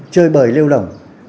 chơi bời lêu lồng